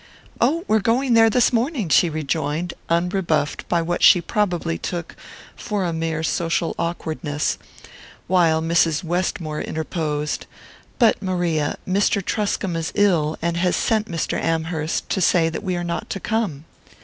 "Oh, we're going there this morning," she rejoined, unrebuffed by what she probably took for a mere social awkwardness, while Mrs. Westmore interposed: "But, Maria, Mr. Truscomb is ill, and has sent Mr. Amherst to say that we are not to come."